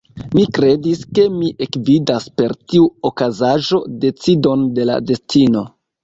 Mi kredis, ke mi ekvidas, per tiu okazaĵo, decidon de la destino.